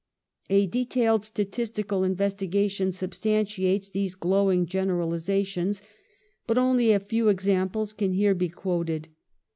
A detailed statistical investigation sub stantiates these glowing generalizations, but only a few examples can here be quoted.